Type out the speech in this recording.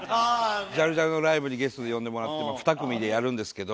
ジャルジャルのライブにゲストで呼んでもらって２組でやるんですけど。